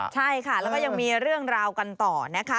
ใช่ค่ะแล้วก็ยังมีเรื่องราวกันต่อนะคะ